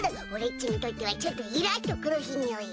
ちにとってはちょっとイラっとくる日にゅい。